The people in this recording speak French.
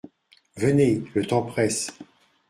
Venez ! le temps presse !…